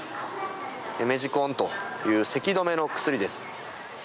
メジコンという咳止めの薬です。